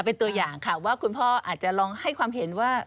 เป็นตัวอย่างค่ะว่าคุณพ่ออาจจะลองให้ความเห็นว่า